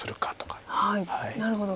なるほど。